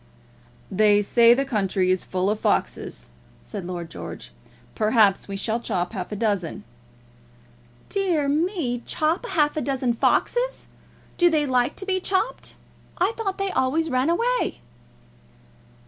"They say the country is full of foxes," said Lord George. "Perhaps we shall chop half a dozen." "Dear me! Chop half a dozen foxes! Do they like to be chopped? I thought they always ran away."